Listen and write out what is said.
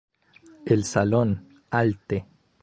El "Salón Alte.